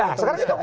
nah sekarang itu